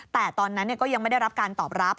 แต่ตอนนั้นก็ยังไม่ได้รับการตอบรับ